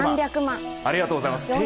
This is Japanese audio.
ありがとうございます。